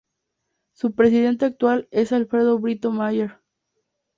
Su presidente actual es Alfredo Britto Mayer.